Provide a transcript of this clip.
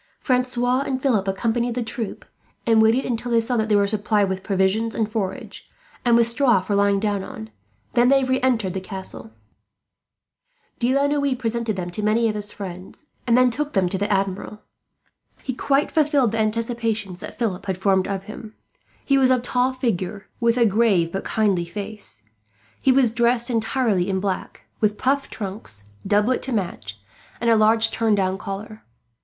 Francois and Philip accompanied the troop, and waited until they saw that they were supplied with provisions and forage, and with straw for lying down on; then they re entered the castle. De la Noue presented them to many of his friends, and then took them in to the Admiral. He quite fulfilled the anticipations that Philip had formed of him. He was of tall figure, with a grave but kindly face. He was dressed entirely in black, with puffed trunks, doublet to match, and a large turned down collar.